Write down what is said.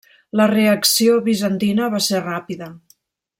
La reacció bizantina va ser ràpida.